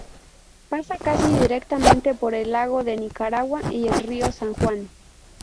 Pasa casi directamente por el lago de Nicaragua y el río San Juan.